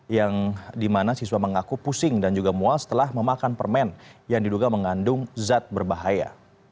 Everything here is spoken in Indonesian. yang dimana siswa mengaku pusing dan juga mual setelah memakan permen yang diduga mengandung zat berbahaya